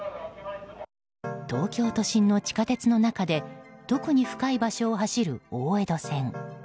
東京都心の地下鉄の中で特に深い場所を走る大江戸線。